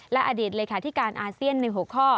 และอดีตเลยค่ะที่การอาเซียนในหัวข้อ